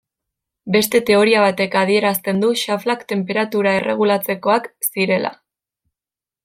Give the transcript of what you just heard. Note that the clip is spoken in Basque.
Beste teoria batek adierazten du xaflak tenperatura erregulatzekoak zirela.